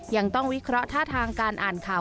ยังต้องวิเคราะห์ท่าทางการอ่านข่าว